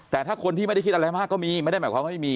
แต่ถ้าคนที่ไม่ได้คิดอะไรมากก็มีไม่ได้หมายความว่าไม่มี